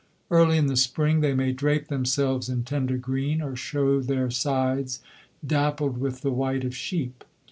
Early in the spring they may drape themselves in tender green, or show their sides dappled with the white of sheep.